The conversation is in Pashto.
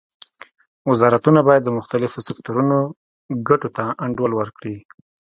وزارتونه باید د مختلفو سکتورونو ګټو ته انډول ورکړي